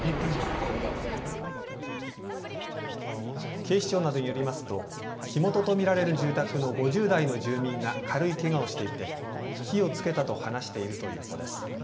警視庁などによりますと火元と見られる住宅の５０代の住民が軽いけがをしていて火をつけたと話しているということです。